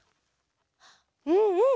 うんうん。